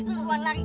lu mau lari